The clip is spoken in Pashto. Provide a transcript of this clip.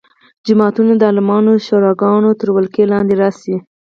جوماتونه د عالمانو شوراګانو تر ولکې لاندې راشي.